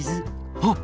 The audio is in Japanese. あっ！